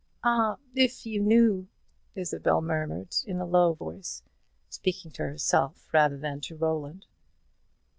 "Ah, if you knew " Isabel murmured in a low voice, speaking to herself rather than to Roland.